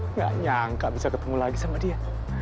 nggak nyangka bisa ketemu lagi sama dia